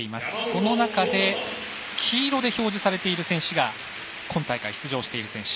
その中で黄色で表示されている選手が今大会出場している選手。